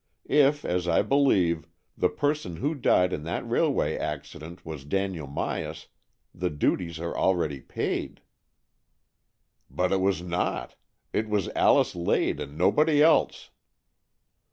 If, as I believe, the person who died in that railway accident was Daniel Myas, the duties are already paid." '' But it was not. It was Alice Lade and nobody else."